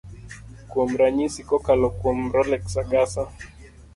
kuom ranyisi. kokalo kuom Rolex Agasa